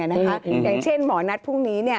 อย่างเช่นหมอนัดพรุ่งนี้